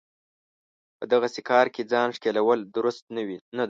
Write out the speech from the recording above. په دغسې کار کې ځان ښکېلول درست نه دی.